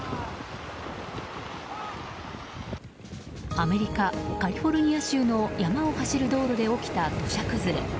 アメリカ・カリフォルニア州の山を走る道路で起きた土砂崩れ。